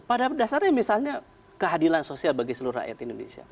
pada dasarnya misalnya keadilan sosial bagi seluruh rakyat indonesia